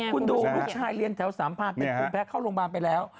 คุณดูลูกชายเรียนแถว๓๐๐เป็นภูมิแพ้เข้าโรงพยาบาลไปแล้ว